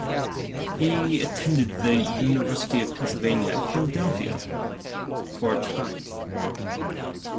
He attended the University of Pennsylvania at Philadelphia for a time.